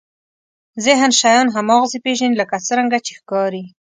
ذهن شیان هماغسې پېژني لکه څرنګه چې ښکاري.